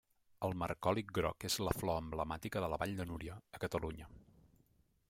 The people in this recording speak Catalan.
El marcòlic groc és la flor emblemàtica de la Vall de Núria, a Catalunya.